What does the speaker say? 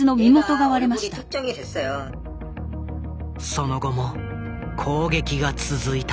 その後も攻撃が続いた。